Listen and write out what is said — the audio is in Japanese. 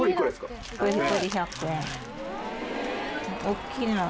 大きいな。